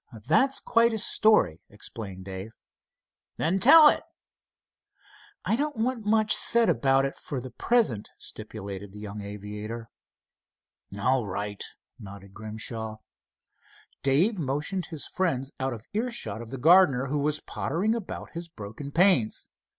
"That's quite a story," explained Dave. "Then tell it." "I don't want much said about it for the present," stipulated the young aviator. "All right," nodded Grimshaw. Dave motioned his friends out of earshot of the gardener, who was pottering about his broken panes.